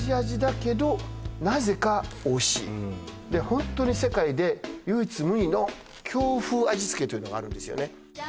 ホントに「世界で唯一無二の」「京風味付け」というのがあるんですよね